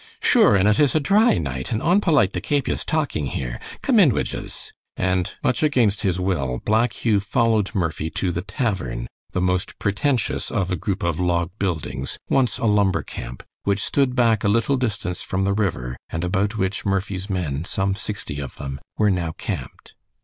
"Shure, an' it is a dhry night, and onpolite to kape yez talking here. Come in wid yez," and much against his will Black Hugh followed Murphy to the tavern, the most pretentious of a group of log buildings once a lumber camp which stood back a little distance from the river, and about which Murphy's men, some sixty of them, were now camped.